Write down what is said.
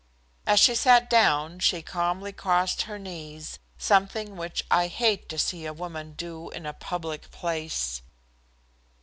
As she sat down she calmly crossed her knees, something which I hate to see a woman do in a public place.